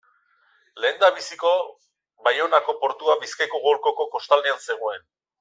Lehendabiziko Baionako portua Bizkaiko golkoko kostaldean zegoen.